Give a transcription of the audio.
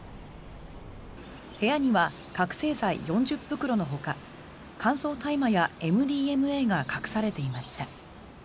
部屋には覚醒剤４０袋のほか乾燥大麻やＭＤＭＡが隠されていました。